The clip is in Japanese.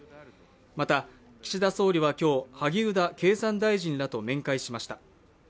また岸田総理は今日、萩生田経産大臣らと面会しました。